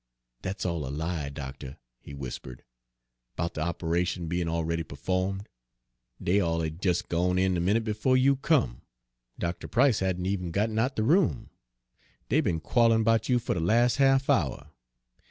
"Dat's all a lie, doctuh," he whispered, "'bout de operation bein' already pe'fo'med. Dey all had jes' gone in de minute befo' you come Doctuh Price hadn' even got out 'n de room. Dey be'n quollin' 'bout you fer de las' ha'f hour.